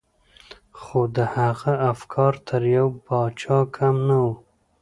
خو د هغه افکار تر يوه پاچا کم نه وو.